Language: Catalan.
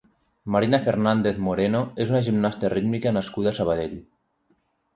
Marina Fernández Moreno és una gimnasta rítmica nascuda a Sabadell.